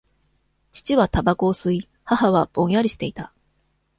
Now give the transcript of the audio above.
父はたばこを吸い、母はぼんやりしていた。